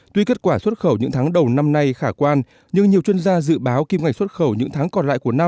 tuy kết quả xuất khẩu những tháng đầu năm nay khả quan nhưng nhiều chuyên gia dự báo kim ngạch xuất khẩu những tháng còn lại của năm